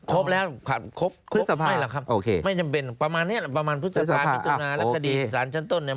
ครบแล้วครบพฤษภาไหมล่ะครับโอเคไม่จำเป็นประมาณเนี้ยประมาณพฤษภามิถุนาและคดีสารชั้นต้นเนี่ย